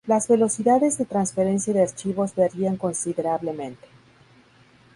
Las velocidades de transferencia de archivos varían considerablemente.